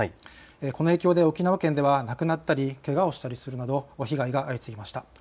この影響で沖縄県では亡くなったり、けがをしたりするなど被害が相次ぎました。